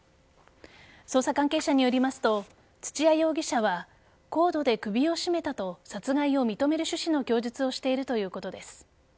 捜査関係者によりますと土屋容疑者はコードで首を絞めたと、殺害を認める趣旨の供述をしているということです。